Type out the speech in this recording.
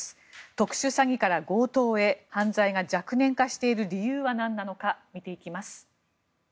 特殊詐欺から強盗へ犯罪が若年化している理由はなんなのか、見ていきます。